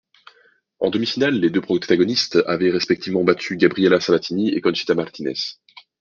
En demi-finale, les deux protagonistes avaient respectivement battu Gabriela Sabatini et Conchita Martínez.